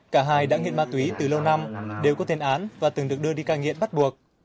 cả hai đã nghiện ma túy từ lâu năm đều có tiền án và từng được đưa đi cai nghiện bắt buộc